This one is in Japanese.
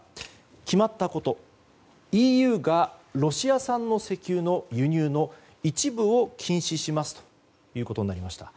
決まったことＥＵがロシア産の石油の輸入の一部を禁止しますということになりました。